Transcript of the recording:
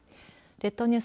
列島ニュース